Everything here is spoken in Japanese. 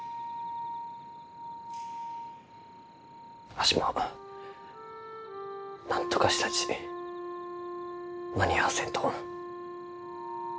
わしもなんとかしたち間に合わせんと。